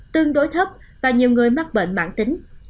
tương đối thấp và nhiều người mắc bệnh mãn tính